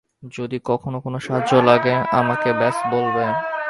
যদি কখনো কোনো সাহায্য লাগে, আমাকে ব্যস বলবে।